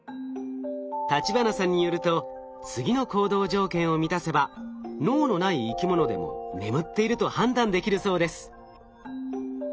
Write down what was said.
立花さんによると次の行動条件を満たせば脳のない生きものでも眠っていると判断できるそうです。